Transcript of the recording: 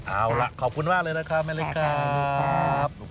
เอาละขอบคุณมากเลยนะคะแม่ละครับ